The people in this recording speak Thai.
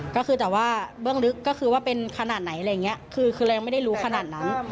ก็คือแต่ว่าเบื้องลึกก็คือว่าเป็นขนาดไหนอะไรอย่างนี้คือเรายังไม่ได้รู้ขนาดนั้น